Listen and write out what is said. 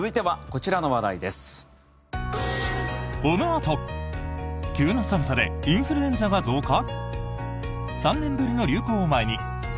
このあと、急な寒さでインフルエンザが増加？